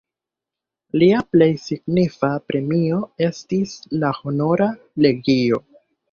Lia plej signifa premio estis la Honora legio.